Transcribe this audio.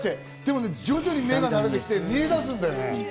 でも目が慣れてきて見え出すんだよね。